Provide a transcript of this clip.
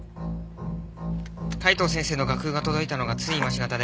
海東先生の楽譜が届いたのがつい今し方で。